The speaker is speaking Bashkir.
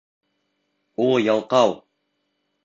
Ул ялҡау!